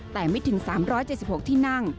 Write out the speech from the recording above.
แต่ไม่ถึง๓๗๖ที่นั่ง